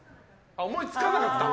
思いつかなかった。